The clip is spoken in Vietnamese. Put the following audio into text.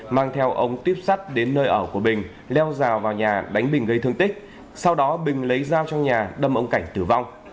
mang theo ông tiếp sắt đến nơi ở của bình leo rào vào nhà đánh bình gây thương tích sau đó bình lấy dao trong nhà đâm ông cảnh tử vong